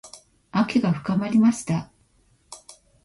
秋が深まりました。